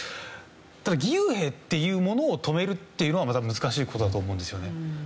ただ義勇兵っていうものを止めるっていうのはまた難しい事だと思うんですよね。